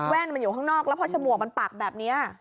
มาอยู่ข้างนอกแล้วพอฉมวกมันปักแบบนี้